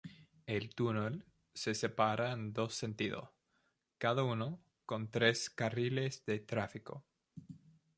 El túnel se separa en dos sentido, cada uno con tres carriles de tráfico.